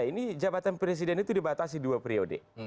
di indonesia ini jabatan presiden itu dibatasi dua periode